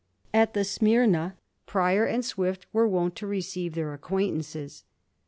At the * Smyrna,' Prior and Swift were wont to receive their acquaintances.